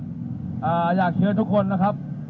เราอยากทำให้กระบวนการนี้เป็นกระบวนการของทุกคนอย่างแท้จริงนะครับ